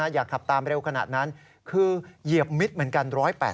อย่าขับตามเร็วขนาดนั้นคือเหยียบมิดเหมือนกัน๑๘๐